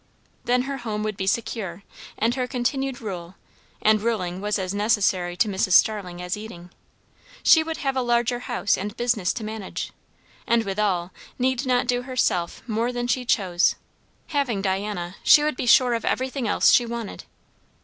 Then her home would be secure, and her continued rule; and ruling was as necessary to Mrs. Starling as eating. She would have a larger house and business to manage, and withal need not do herself more than she chose; having Diana, she would be sure of everything else she wanted.